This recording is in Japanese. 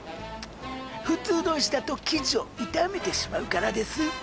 普通の石だと生地を傷めてしまうからです。